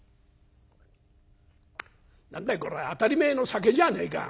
「何だいこりゃ当たり前の酒じゃねえか」。